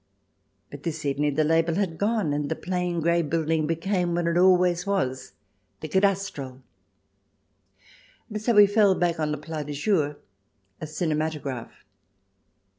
But this evening the label had gone, and the plain grey building became what it always was — the Cadastral offices of Trier. And so we fell back on the. plat dujour — a cinematograph.